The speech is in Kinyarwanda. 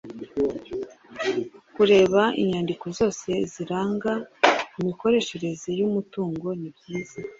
kureba inyandiko zose ziranga imikoreshereze yumutungo nibyiza